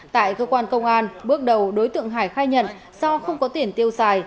tại cơ quan công an bước đầu đối tượng hải khai nhận do không có tiền tiêu xài